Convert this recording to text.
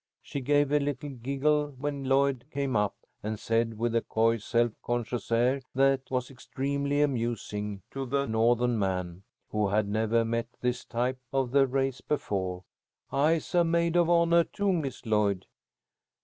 She gave a little giggle when Lloyd came up, and said, with a coy self conscious air that was extremely amusing to the Northern man, who had never met this type of the race before, "I'se a maid of honah, too, Miss Lloyd."